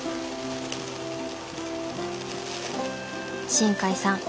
新海さん